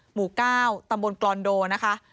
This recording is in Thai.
หมู่๙ตำบลกรอนโดนะคะ